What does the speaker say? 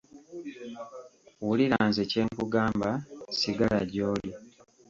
Wulira nze kye nkugamba, sigala gy'oli.